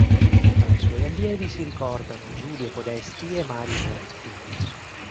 Tra i suoi allievi si ricordano Giulio Podesti e Mario Moretti.